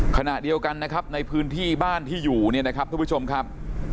ขณะเดียวกันนะครับในพื้นที่บ้านที่อยู่เนี่ยนะครับทุกผู้ชมครับ